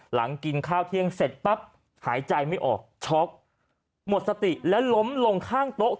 หลังกินข้าวเที่ยงเสร็จปั๊บหายใจไม่ออกช็อกหมดสติแล้วล้มลงข้างโต๊ะ